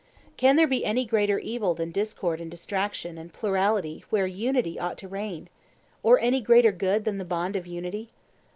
Can there be any greater evil than discord and distraction and plurality where unity ought to reign? or any greater good than the bond of unity?